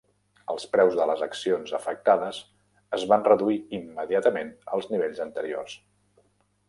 Els preus de les accions afectades es van reduir immediatament als nivells anteriors.